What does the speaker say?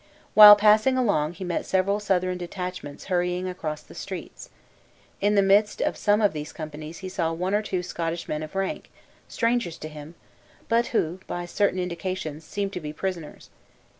While passing along he met several Southron detachments hurrying across the streets. In the midst of some of these companies he saw one or two Scottish men of rank, strangers to him, but who, by certain indications, seemed to be prisoners.